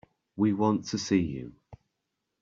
We want to see you.